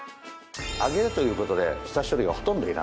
揚げるという事で下処理がほとんどいらない。